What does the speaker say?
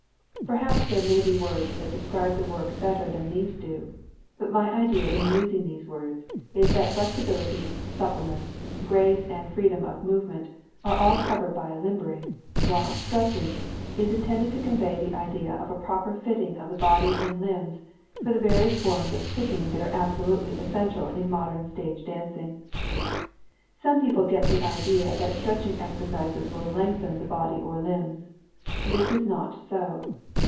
Perhaps there may be words that describe the work better than these do. But my idea in using these words is that flexibility, suppleness, grace and freedom of movement are all covered by "limbering," while "stretching" is intended to convey the idea of a proper fitting of the body and limbs for the various forms of kicking that are absolutely essential in modern stage dancing. Some people get the idea that stretching exercises will lengthen the body or limbs. This is not so.